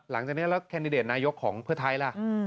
หลังจากนี้แล้วล่ะแคคนิดเดทนายกของเผ้อไทยแล้ว